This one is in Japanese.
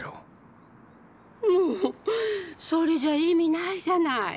もうそれじゃ意味ないじゃない！